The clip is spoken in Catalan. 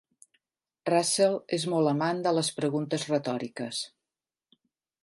Russell és molt amant de les preguntes retòriques.